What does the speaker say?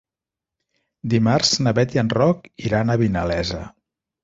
Dimarts na Bet i en Roc iran a Vinalesa.